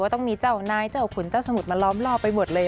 ต้องมีเจ้านายเจ้าขุนเจ้าสมุทรมาล้อมรอบไปหมดเลย